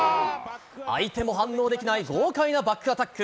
相手も反応できない豪快なバックアタック。